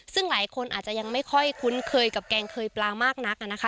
ซึ่งหลายคนอาจจะยังไม่ค่อยคุ้นเคยกับแกงเคยปลามากนักนะคะ